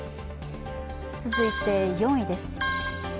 続いて４位です。